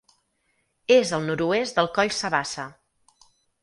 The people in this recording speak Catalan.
És al nord-oest del Coll Sabassa.